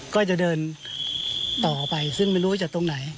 ก็จะเดินต่อไปซึ่งไม่รู้ว่าจากตรงไหน